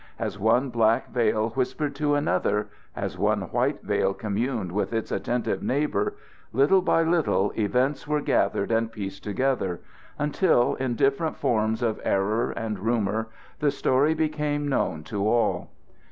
As one black veil whispered to another as one white veil communed with its attentive neighbor little by little events were gathered and pieced together, until, in different forms of error and rumor, the story became known to all.